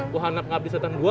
wahana pengabdi setan gua